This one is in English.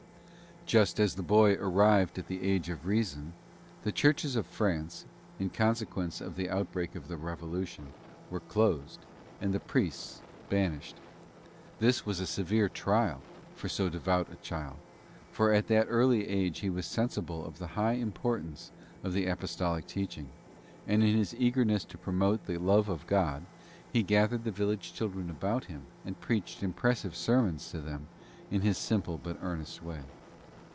Just as the boy arrived at the age of reason the churches of France, in consequence of the outbreak of the Revolution, were closed, and the priests banished. This was a severe trial for so devout a child, for at that early age he was sensible of the high importance of the Apostolic teaching, and in his eagerness to promote the love of God he gathered the village children about him and preached impressive sermons to them in his simple but earnest way.